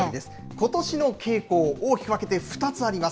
ことしの傾向、大きく分けて２つあります。